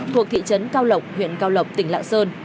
thuộc thị trấn cao lộc huyện cao lộc tỉnh lạng sơn